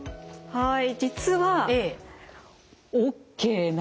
はい。